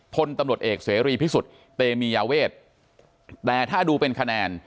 พ้นตำรวจเอกเสรีพิกษุตเตมียเวตแต่ถ้าดูเป็นคะแนน